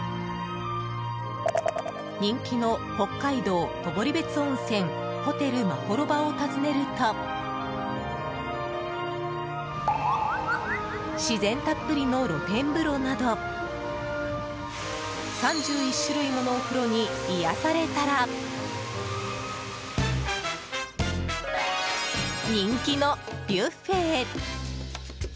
人気の北海道登別温泉ホテルまほろばを訪ねると自然たっぷりの露天風呂など３１種類ものお風呂に癒やされたら人気のビュッフェへ。